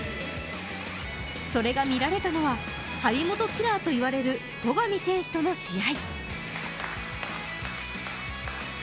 それが見られたのは、張本キラーと言われる戸上選手との試合。